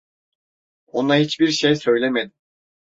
Ona hiçbir şey söylemedim.